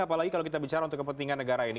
apalagi kalau kita bicara untuk kepentingan negara ini